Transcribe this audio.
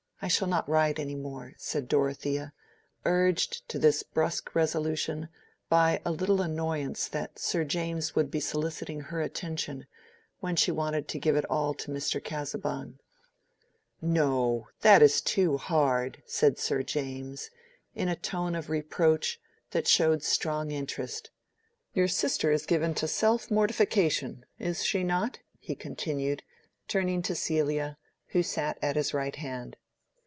I shall not ride any more," said Dorothea, urged to this brusque resolution by a little annoyance that Sir James would be soliciting her attention when she wanted to give it all to Mr. Casaubon. "No, that is too hard," said Sir James, in a tone of reproach that showed strong interest. "Your sister is given to self mortification, is she not?" he continued, turning to Celia, who sat at his right hand.